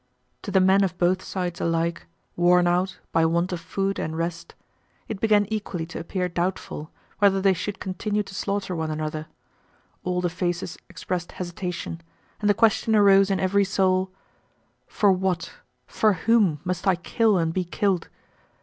To the men of both sides alike, worn out by want of food and rest, it began equally to appear doubtful whether they should continue to slaughter one another; all the faces expressed hesitation, and the question arose in every soul: "For what, for whom, must I kill and be killed?...